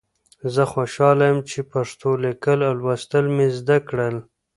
زه خوشحاله یم چې پښتو لیکل او لوستل مې زده کړل.